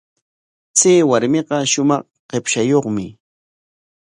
Chay warmiqa shumaq qipshayuqmi.